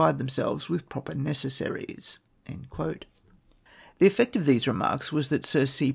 de themselves Avith proper necessaries." The effect of these remarks was, that Sir C.